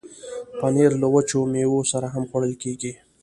پنېر له وچو میوو سره هم خوړل کېږي.